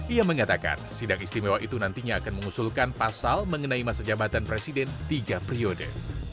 ia mengatakan sidang istimewa itu nantinya akan mengusulkan pasal mengenai masa jabatan presiden tiga periode